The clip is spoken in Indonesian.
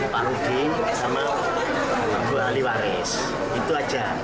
pak rudi sama ibu ahli waris itu aja